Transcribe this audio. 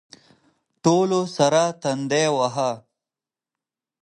ټولو سر تندی واهه.